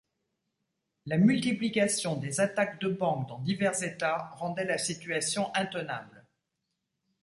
La multiplication des attaques de banques dans divers États rendait la situation intenable.